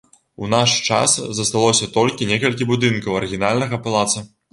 У наш час засталося толькі некалькі будынкаў арыгінальнага палаца.